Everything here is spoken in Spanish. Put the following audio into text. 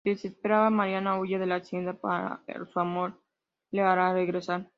Desesperada Mariana huye de la hacienda, pero su amor la hará regresar.